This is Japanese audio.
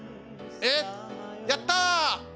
えっやった！